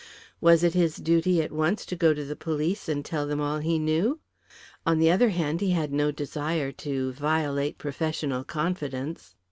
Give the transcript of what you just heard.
Was it his duty at once to go to the police and tell them all he knew? On the other hand he had no desire to violate professional confidence.